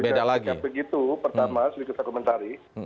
pertama selalu kita komentari